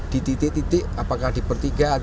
di titik titik apakah di pertigaan